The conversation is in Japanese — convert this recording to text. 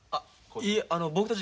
いえあの僕たち